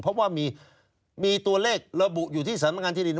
เพราะว่ามีตัวเลขระบุอยู่ที่สำนักงานที่ดิน